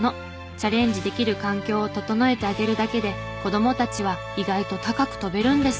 チャレンジできる環境を整えてあげるだけで子供たちは意外と高く飛べるんです。